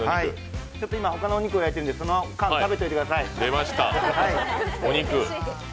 他のお肉を焼いているのでその間食べていてください。